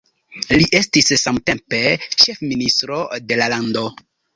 Li estis samtempe ĉefministro de la lando.